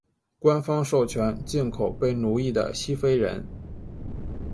官方授权进口被奴役的西非人。